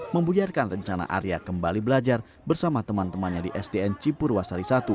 membuyarkan rencana arya kembali belajar bersama teman temannya di sdn cipurwasari satu